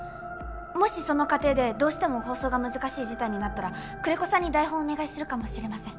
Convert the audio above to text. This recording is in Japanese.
もしその過程でどうしても放送が難しい事態になったら久連木さんに台本をお願いするかもしれません。